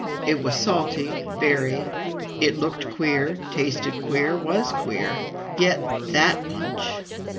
It was salty, very; it looked queer, tasted queer, was queer. Yet that lunch!